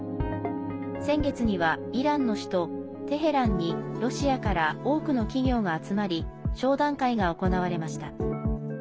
先月にはイランの首都テヘランにロシアから多くの企業が集まり商談会が行われました。